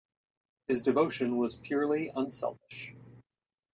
His devotion was purely unselfish.